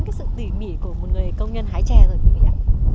cái sự tỉ mỉ của một người công nhân hái trà rồi quý vị ạ